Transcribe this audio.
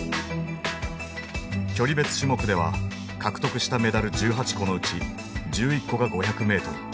距離別種目では獲得したメダル１８個のうち１１個が５００ｍ。